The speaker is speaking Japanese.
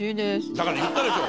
だから言ったでしょ！